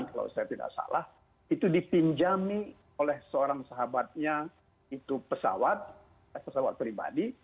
kalau saya tidak salah itu dipinjami oleh seorang sahabatnya itu pesawat pesawat pribadi